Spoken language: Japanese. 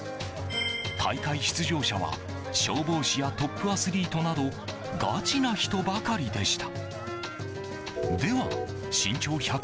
大会出場者は消防士やトップアスリートなどガチな人ばかりでした。